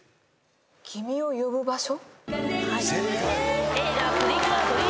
『君を呼ぶ場所』正解。